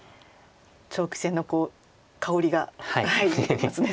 長期戦の香りがしてきますね